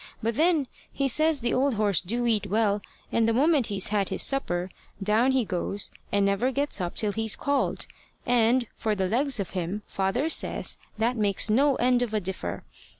But then he says the old horse do eat well, and the moment he's had his supper, down he goes, and never gets up till he's called; and, for the legs of him, father says that makes no end of a differ.